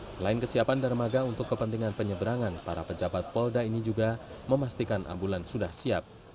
selain kesiapan dermaga untuk kepentingan penyeberangan para pejabat polda ini juga memastikan ambulan sudah siap